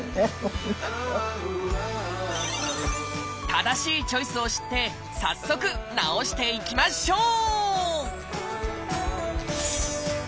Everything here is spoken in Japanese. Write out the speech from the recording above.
正しいチョイスを知って早速治していきましょう！